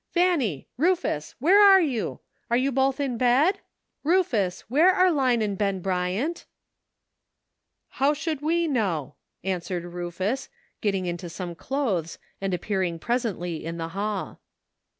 "Fanny, Rufus! where are you ? Are you both in bed ? Rufus, where are Line and Ben Bryant ?" "How should we know?" answered Rufus, getting into some clothes and appearing pres ently in the hall.